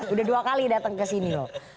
udah dua kali datang kesini loh